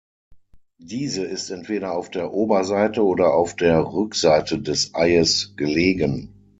Diese ist entweder auf der Oberseite oder auf der Rückseite des Eies gelegen.